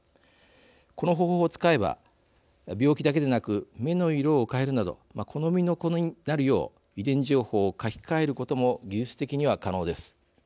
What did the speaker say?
この方法を使えば病気だけでなく目の色を変えるなど好みの子になるよう遺伝情報を書き換えることも技術的には可能です。